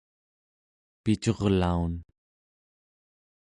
picurlaun